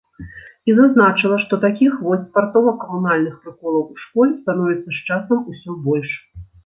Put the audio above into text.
І зазначыла, што такіх вось спартова-камунальных прыколаў у школе становіцца з часам усё больш.